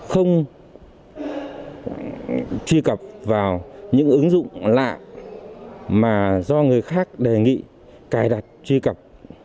không truy cập vào những ứng dụng lạ mà do người khác đề nghị cài đặt truy cập